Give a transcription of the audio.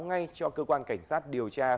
ngay cho cơ quan cảnh sát điều tra